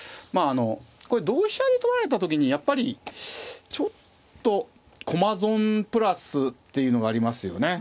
あのこれ同飛車で取られた時にやっぱりちょっと駒損プラスっていうのがありますよね。